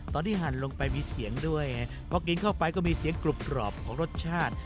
ตอนที่หันลงไปมีเสียงด้วยนะฮะเพราะกินเข้าไปก็มีเสียงกรอบกรอบของรสชาติ